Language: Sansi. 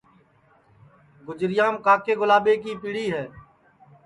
گُجریام کاکے گُلاٻے کی پیڑی ہے